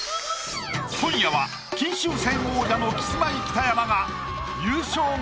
今夜は金秋戦王者のキスマイ北山が優勝後